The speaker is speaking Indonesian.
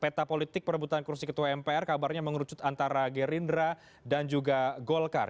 peta politik perebutan kursi ketua mpr kabarnya mengerucut antara gerindra dan juga golkar